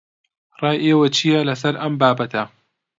ڕای ئێوە چییە لەسەر ئەم بابەتە؟